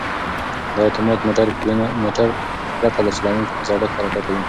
دا اتومات موټر پرته له چلوونکي په سړک حرکت کوي.